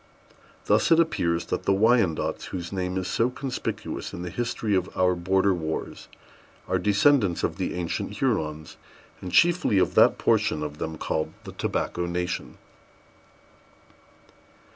Thus it appears that the Wyandots, whose name is so conspicuous in the history of our border wars, are descendants of the ancient Hurons, and chiefly of that portion of them called the Tobacco Nation.